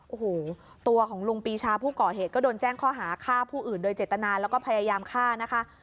โอ้โหตัวของลุงปีชาผู้ก่อเหตุก็โดนแจ้งข้อหาฆ่าผู้อื่นโดยเจตนาแล้วก็พยายามฆ่านะคะ